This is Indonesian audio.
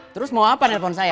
terus mau apa nelfon saya